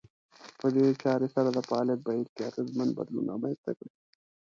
په دې چارې سره د فعاليت بهير کې اغېزمن بدلون رامنځته کړي.